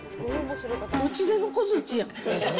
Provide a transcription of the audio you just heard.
うちでの小づちやん。